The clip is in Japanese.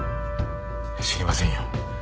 知りませんよ。